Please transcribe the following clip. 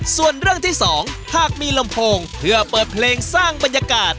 ส่วนเรื่องที่๒หากมีลำโพงเพื่อเปิดเพลงสร้างบรรยากาศ